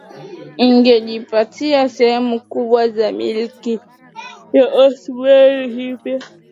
ingejipatia sehemu kubwa za Milki ya Osmani hivyo